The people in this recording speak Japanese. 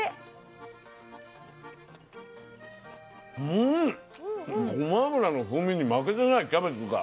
うんごま油の風味に負けてないキャベツが。